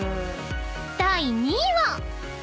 ［第２位は］